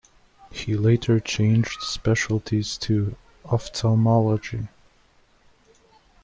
He later changed specialties to ophthalmology.